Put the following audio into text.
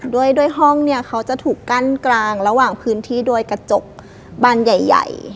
ด้วยห้องเนี่ยเขาจะถูกกั้นกลางระหว่างพื้นที่โดยกระจกบานใหญ่